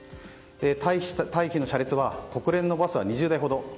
退避の車列は国連のバスが２０台ほど。